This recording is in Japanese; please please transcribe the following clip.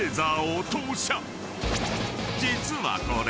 ［実はこれ］